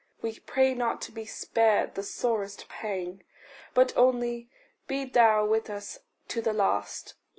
We pray not to be spared the sorest pang, But only be thou with us to the last.